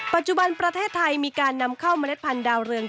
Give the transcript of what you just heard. ปัจจุบันประเทศไทยมีการนำเข้าเมล็ดพันธดาวเรือง